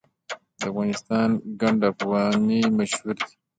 د افغانستان ګنډ افغاني مشهور دی